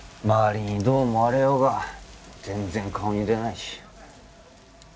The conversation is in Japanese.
周りにどう思われようが全然顔に出ないし。